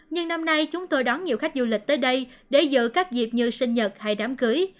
nhưng năm nay chúng tôi đón nhiều khách du lịch tới đây để giữ các dịp như sinh nhật hay đám cưới